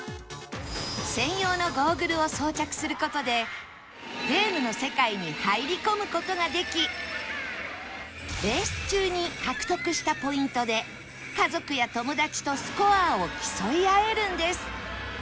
専用のゴーグルを装着する事でゲームの世界に入り込む事ができレース中に獲得したポイントで家族や友達とスコアを競い合えるんです